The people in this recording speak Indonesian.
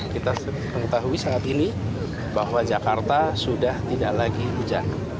kita mengetahui saat ini bahwa jakarta sudah tidak lagi hujan